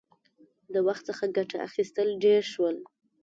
• د وخت څخه ګټه اخیستل ډېر شول.